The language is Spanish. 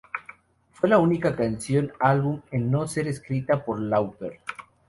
Fue la única canción álbum en no ser escrita por Lauper.